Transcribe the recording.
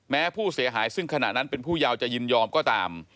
แม้ผู้เสียหายซึ่งขณะนั้นเป็นผู้ยาวจะยินยอมก็ตาม